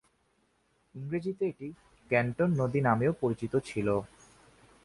ইংরেজিতে এটি ক্যান্টন নদী নামেও পরিচিত ছিল।